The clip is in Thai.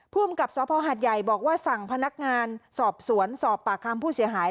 ภูมิกับสภหัดใหญ่บอกว่าสั่งพนักงานสอบสวนสอบปากคำผู้เสียหาย